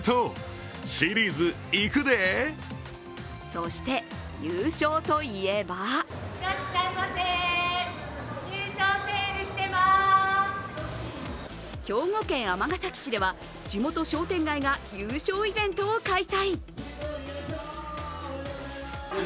そして、優勝といえば兵庫県尼崎市では、地元商店街が優勝イベントを開催。